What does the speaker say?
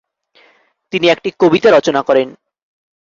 তিনি একটি কবিতা রচনা করেন।